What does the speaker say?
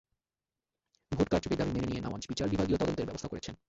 Vote কারচুপির দাবি মেনে নিয়ে নওয়াজ বিচার বিভাগীয় তদন্তের ব্যবস্থা করেছেন।